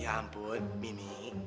ya ampun mini